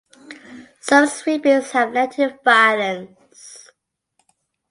Some sweepings have led to violence.